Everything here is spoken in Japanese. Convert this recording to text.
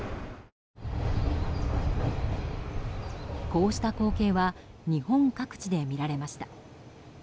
こうした光景は日本各地で見られました。